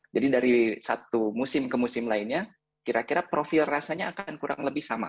jadi dari satu musim ke musim lainnya kira kira profil rasanya akan kurang lebih sama